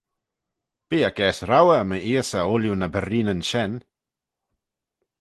Bee eh gaase roauyr my eeys eh ooilley ny berreenyn shen .